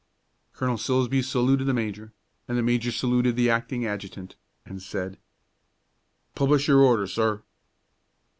Colonel Silsbee saluted the major, and the major saluted the acting adjutant, and said, "Publish your Order, sir."